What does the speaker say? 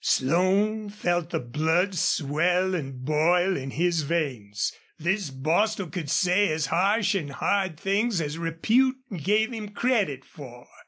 Slone felt the blood swell and boil in his veins. This Bostil could say as harsh and hard things as repute gave him credit for.